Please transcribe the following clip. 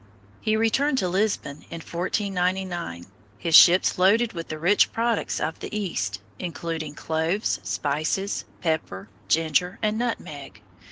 He returned to Lisbon in 1499, his ships loaded with the rich products of the East, including cloves, spices, pepper, ginger, and nutmeg.